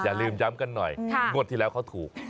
อย่าลืมย้ำกันหน่อยงวดที่แล้วเขาถูก